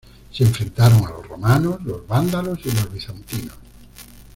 Se enfrentaron a los romanos, los vándalos y los bizantinos.